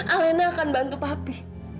alena akan bantu papi